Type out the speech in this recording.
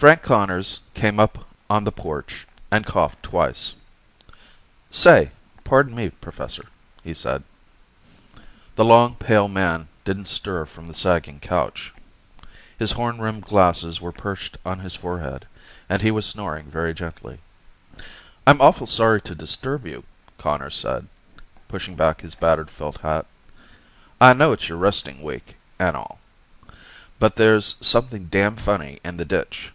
Frank Conners came up on the porch and coughed twice. "Say, pardon me, Professor," he said. The long, pale man didn't stir from the sagging couch. His horn rimmed glasses were perched on his forehead, and he was snoring very gently. "I'm awful sorry to disturb you," Conners said, pushing back his battered felt hat. "I know it's your restin' week and all, but there's something damned funny in the ditch."